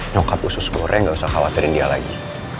nyokap khusus gore gak usah khawatirin dia lagi